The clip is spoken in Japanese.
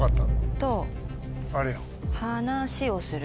あれよ。